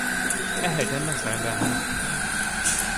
Er hält ein Messer in der Hand.